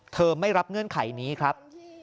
ไม่รับเงื่อนไขนี้ครับ